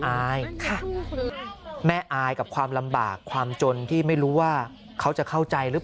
อายแม่อายกับความลำบากความจนที่ไม่รู้ว่าเขาจะเข้าใจหรือเปล่า